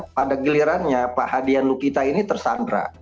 pada gilirannya pak hadian lukita ini tersandra